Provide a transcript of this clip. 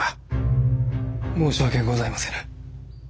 申し訳ございませぬ。